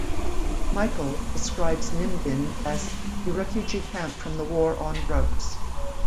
Michael describes Nimbin as "a refugee camp from the war on drugs".